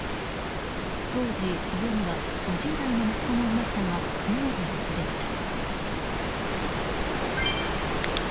当時、家には５０代の息子もいましたが逃げて無事でした。